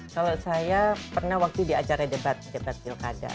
kalau saya pernah waktu di acara debat sekitar pilkada